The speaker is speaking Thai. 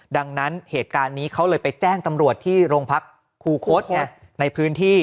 ดังนั้นเหตุการณ์นี้เขาเลยไปแจ้งตำรวจที่โรงพักครูคดในพื้นที่